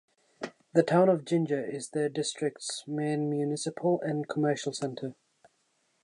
The town of Jinja is the district's main municipal and commercial center.